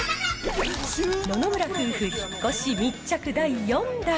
野々村夫婦引っ越し密着第４弾！